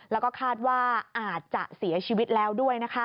แล้วก็คาดว่าอาจจะเสียชีวิตแล้วด้วย